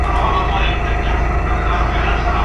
سبا به هوا په بشپړ ډول د چکر لپاره برابره وي.